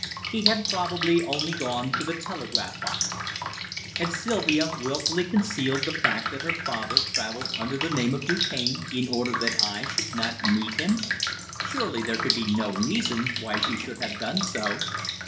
He had probably only gone to the telegraph office. Had Sylvia wilfully concealed the fact that her father travelled under the name of Du Cane, in order that I should not meet him? Surely there could be no reason why she should have done so.